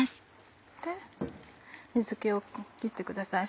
水気を切ってください。